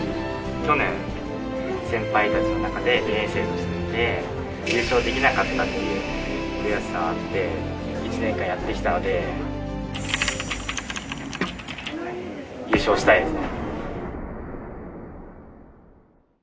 去年先輩たちのなかで２年生として出ていて優勝できなかったっていう悔しさがあって１年間やってきたので優勝したいですね。